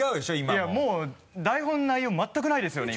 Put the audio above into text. いやもう台本の内容全くないですよね